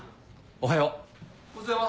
おはよう。